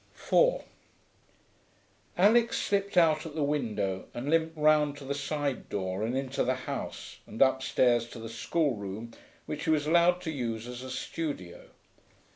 4 Alix slipped out at the window and limped round to the side door and into the house and upstairs to the schoolroom, which she was allowed to use as a studio.